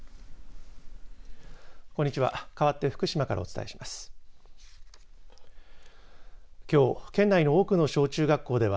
こんにちは。